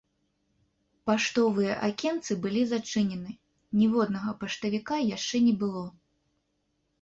Паштовыя акенцы былі зачынены, ніводнага паштавіка яшчэ не было.